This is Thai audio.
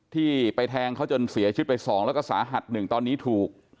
ที่ไปแทงเขาจนเสียชีวิตไป๒แล้วก็สาหัส๑ตอนนี้ถูก